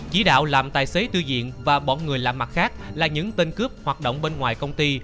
chỉ đạo làm tài xế tư diện và bọn người làm mặt khác là những tên cướp hoạt động bên ngoài công ty